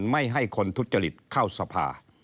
ไม่ให้คนทุจริตเข้าสภา